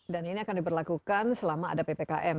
dan ini akan diperlakukan selama ada ppkm